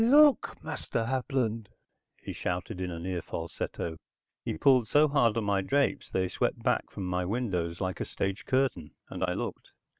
"Look, Master Hapland," he shouted in a near falsetto. He pulled so hard on my drapes they swept back from my windows like a stage curtain and I looked.